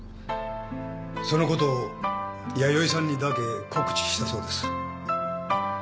そのことを弥生さんにだけ告知したそうです。